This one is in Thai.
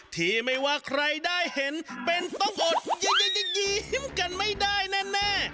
ที่ไม่ว่าใครได้เห็นเป็นต้องอดยิ้มกันไม่ได้แน่